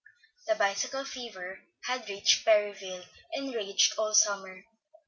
The bicycle fever had reached Perryville, and raged all summer.